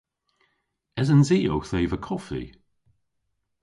Esens i owth eva koffi?